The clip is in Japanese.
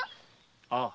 ああ。